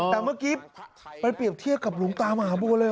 แต่เมื่อกี้ไปเปรียบเทียบกับหลวงตามหาบัวเลย